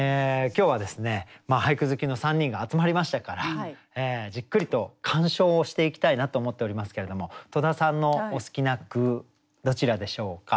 今日は俳句好きの３人が集まりましたからじっくりと鑑賞をしていきたいなと思っておりますけれども戸田さんのお好きな句どちらでしょうか？